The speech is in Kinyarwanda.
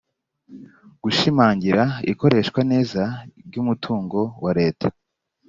gushimangira ikoreshwa neza ry umutungo wa leta